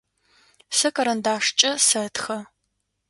Сэ карандашкӏэ сэтхэ.